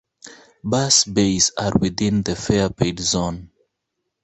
Bus bays are within the fare-paid zone.